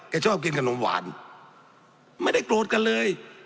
ชอบกินขนมหวานไม่ได้โกรธกันเลย